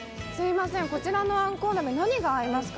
こちらのあんこう鍋、何が合いますか？